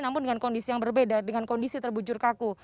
namun dengan kondisi yang berbeda dengan kondisi terbujur kaku